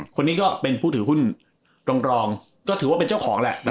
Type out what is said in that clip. คนนี้ก็เป็นผู้ถือหุ้นรองก็ถือว่าเป็นเจ้าของแหละ